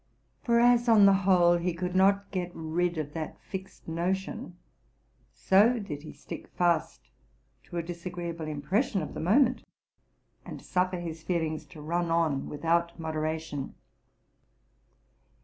For as, on the whole, he could not get rid of that fixed notion; so did he stick fast to a disagreeable impression of the moment, and suffer his feelings to run on without moderation.